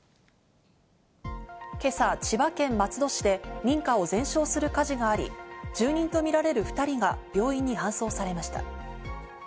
今朝、千葉県松戸市で民家を全焼する火事があり、住人とみられる２人が病院に搬送されました。